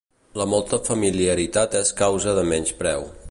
La molta familiaritat és causa de menyspreu.